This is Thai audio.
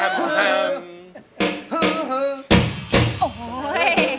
ฮือฮือ